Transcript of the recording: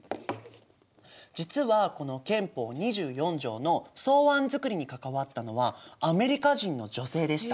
実はこの憲法２４条の草案作りに関わったのはアメリカ人の女性でした。